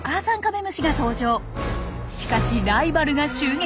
しかしライバルが襲撃！